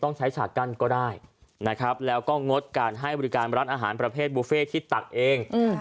ใช้ฉากกั้นก็ได้นะครับแล้วก็งดการให้บริการร้านอาหารประเภทบุฟเฟ่ที่ตักเอง